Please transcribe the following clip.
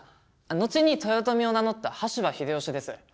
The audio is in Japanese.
後に豊臣を名乗った羽柴秀吉です。